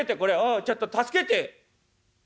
ちょっと助けて！」。